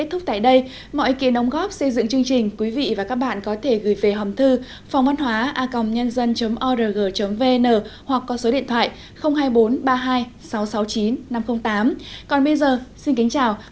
hẹn gặp lại quý vị và các bạn trong các chương trình lần sau